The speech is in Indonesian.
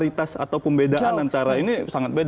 nah ini adalah kualitas atau pembedaan antara ini sangat beda